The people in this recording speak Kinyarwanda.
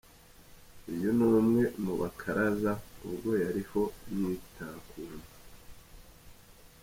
Uyu ni umwe mu bakaraza ubwo yariho yitakuma!.